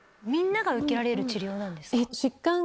みんなが受けられる治療なんですか？